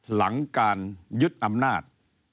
หลังการยึดอำนาจ